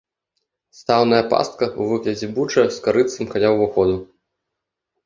Стаўная пастка ў выглядзе буча з карытцам каля ўваходу.